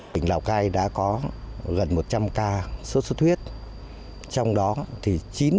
bệnh lào cai đã có gần một trăm linh ca sốt xuất huyết trong đó thì chín mươi tám